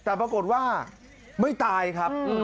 แต่ปรากฏว่าไม่ตายครับ